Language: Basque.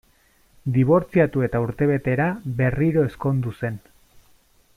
Dibortziatu eta urtebetera, berriro ezkondu zen.